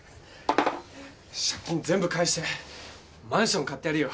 借金全部返してマンション買ってやるよ。